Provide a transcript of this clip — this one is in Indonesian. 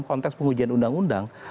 konteks pengujian undang undang